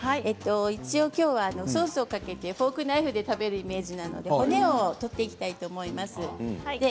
一応きょうはソースをかけてフォークナイフで食べるイメージなので骨を取っていきたいと思います。